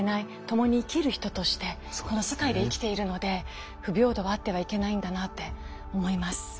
ともに生きる人としてこの世界で生きているので不平等はあってはいけないんだなって思います。